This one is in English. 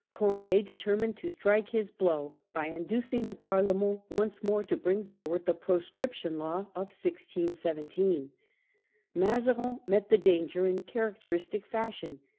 Condd determined to strike his blow by inducing the Parlement once more to bring for ward the proscription law of 1617 (see p. 38). Mazarin met the danger in characteristic fashion.